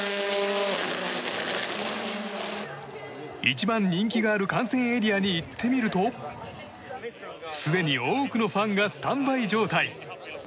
一番人気がある観戦エリアに行ってみるとすでに多くのファンがスタンバイ状態。